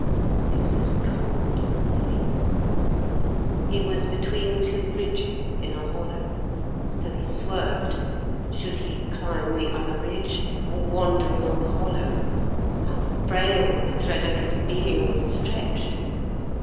It was as cold as sleep. He was between two ridges, in a hollow. So he swerved. Should he climb the other ridge, or wander along the hollow? How frail the thread of his being was stretched!